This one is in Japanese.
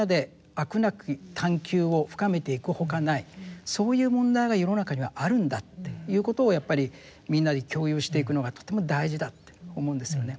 なき探究を深めていくほかないそういう問題が世の中にはあるんだっていうことをやっぱりみんなで共有していくのがとても大事だって思うんですよね。